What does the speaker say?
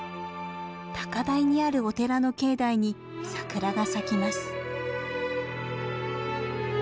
高台にあるお寺の境内にサクラが咲きます。